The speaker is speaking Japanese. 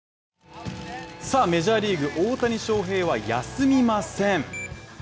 メジャーリーグ、大谷翔平は休みません。